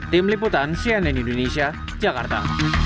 tim liputan cnn indonesia jakarta